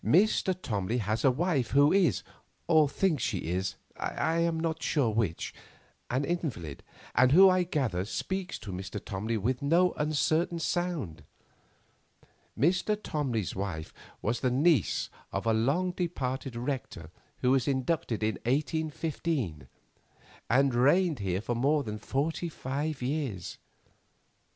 Mr. Tomley has a wife who is, or thinks she is—I am not sure which—an invalid, and who, I gather, speaks to Mr. Tomley with no uncertain sound. Mr. Tomley's wife was the niece of a long departed rector who was inducted in 1815, and reigned here for forty five years.